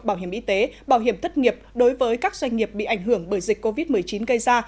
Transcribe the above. bảo hiểm y tế bảo hiểm thất nghiệp đối với các doanh nghiệp bị ảnh hưởng bởi dịch covid một mươi chín gây ra